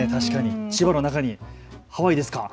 千葉の中にハワイですか。